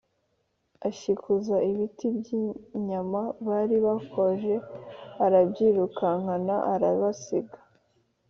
ashikuza ibiti by' inyama bari bokeje, arabyirukankana, arabasiga.